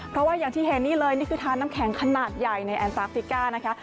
เพราะว่าอย่างที่เห็นนี่เลยนี่คือทานน้ำแข็งขนาดใหญ่ในแอนซาฟิก้านะคะ